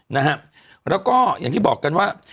นะฮะแล้วก็อย่างที่บอกกันว่า